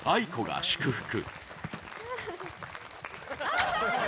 ａｉｋｏが祝福